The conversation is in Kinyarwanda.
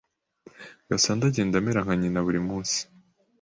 Gasana agenda amera nka nyina burimunsi.